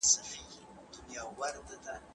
زه ترتيب نه کوم!